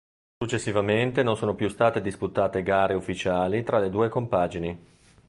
Successivamente non sono più state disputate gare ufficiali tra le due compagini.